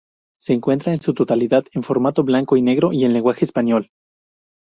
Se encuentra en su totalidad en formato blanco y negro, y en lenguaje español.